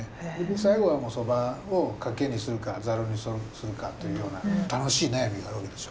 最後はもう蕎麦をかけにするかざるにするかというような楽しい悩みがあるわけですよ。